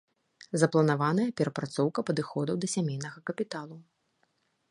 Запланаваная перапрацоўка падыходаў да сямейнага капіталу.